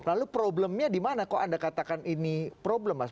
lalu problemnya di mana kok anda katakan ini problem mas